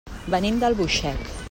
Venim d'Albuixec.